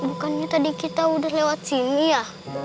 bukannya tadi kita udah lewat sini ya